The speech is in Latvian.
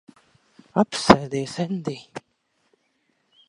Apsēdies, Endij.